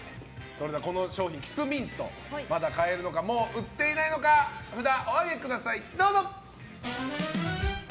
キスミント、まだ買えるのかもう売ってないのか札をお上げください！